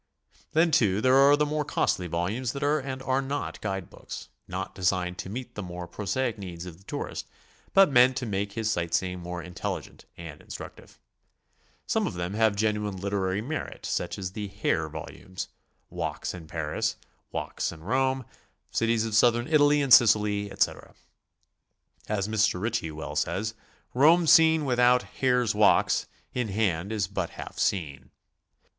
Then, too, there are the more costly volumes that are and are not guide books, not designed to meet the more prosaic needs of the tourist, but meant to make his sight seeing more intelligent and instructive. Some of them have genuine literary merit, such as the Hare volumes, — Walks in Paris, Walks in Rome, Cities of Southern Italy and Sicily, etc. As Mr. Ritchie well says, Rome seen without "Hare's Walks" in hand is but half seen.